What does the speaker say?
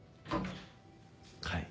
はい。